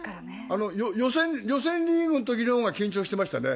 予選リーグのときのほうが緊張してましたね。